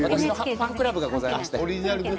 ファンクラブがございまして。